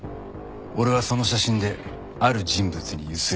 俺はその写真である人物にゆすりをかけた。